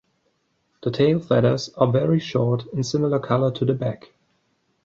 The tail feathers are very short and similar colour to the back.